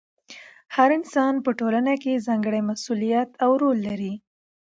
هر انسان په ټولنه کې ځانګړی مسؤلیت او رول لري.